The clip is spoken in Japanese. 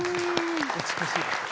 美しい曲。